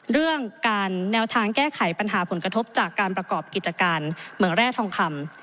เรื่องการแนวทางแก้ไขปัญหาผลกระทบจากการประกอบกิจการเมืองแร่ทองคำ